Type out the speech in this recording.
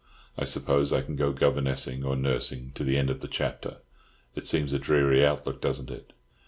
I suppose I can go governessing, or nursing, to the end of the chapter. It seems a dreary outlook, doesn't it?